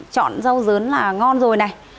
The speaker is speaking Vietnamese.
chọn rau dấn là ngon rồi này